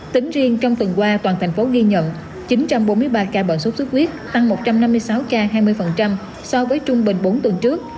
tính riêng trong tuần qua toàn thành phố ghi nhận chín trăm bốn mươi ba ca bệnh sốt xuất huyết tăng một trăm năm mươi sáu ca hai mươi so với trung bình bốn tuần trước